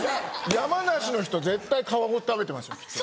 山梨の人絶対皮ごと食べてますよきっと。